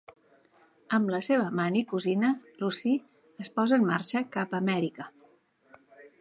Amb la seva amant i cosina, Lucy, es posa en marxa cap a Amèrica.